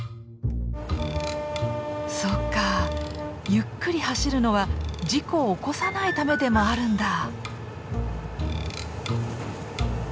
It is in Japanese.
そっかゆっくり走るのは事故を起こさないためでもあるんだ。